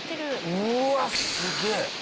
うわあすげえ！